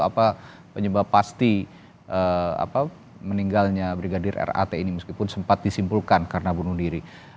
apa penyebab pasti meninggalnya brigadir rat ini meskipun sempat disimpulkan karena bunuh diri